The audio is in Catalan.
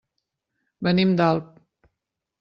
Venim d'Alp.